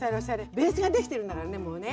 ベースが出来てるんだからねもうね。